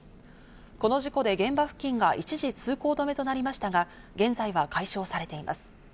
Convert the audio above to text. この事故で現場付近が一時、通行止めとなりましたが、現在は解消されています。